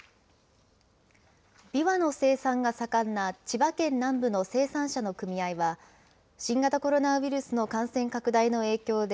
びわの生産が盛んな千葉県南部の生産者の組合は、新型コロナウイルスの感染拡大の影響で、